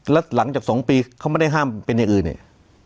แล้วหลังจาก๒ปีเขาไม่ได้ห้ามเป็นอย่างอื่นอีก